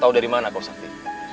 tau dari mana kau sakti